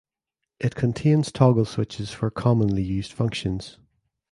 It contains toggle switches for commonly used functions.